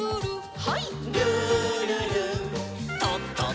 はい。